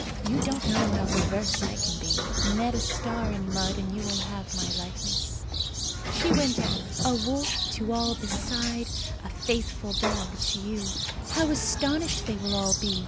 You don't know how perverse I can be. Knead a star in mud, and you will have my likeness." She went on, "A wolf to all beside; a faithful dog to you. How astonished they will all be!